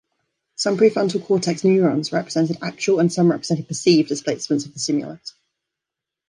Some prefrontal cortex neurons represented actual and some represented perceived displacements of the stimulus.